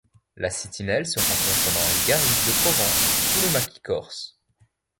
La cytinelle se rencontre dans les garrigues de Provence ou le maquis corse.